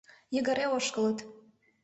Йыгыре ошкылыт.